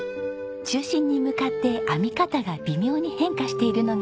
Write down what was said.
中心に向かって編み方が微妙に変化しているのがわかりますか？